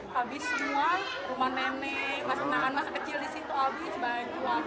habis semua rumah nenek anak anak kecil disitu habis baju apa lagi